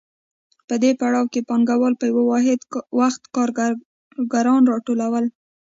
په دې پړاو کې پانګوال په یو واحد وخت کارګران راټولوي